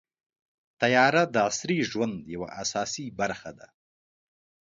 طیاره د عصري ژوند یوه اساسي برخه ده.